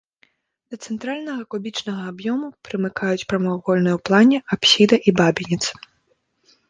Да цэнтральнага кубічнага аб'ёму прымыкаюць прамавугольныя ў плане апсіда і бабінец.